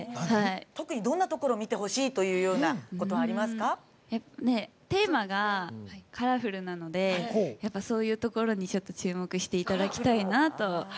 特にどんなところを見てほしいというところはテーマが「ＣＯＬＯＲＦＵＬ」なのでそういうところに注目していただきたいなと。